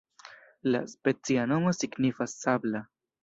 La specia nomo signifas sabla.